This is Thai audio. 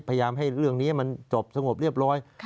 พยายามให้เรื่องนี้มันจบสงบเรียบร้อย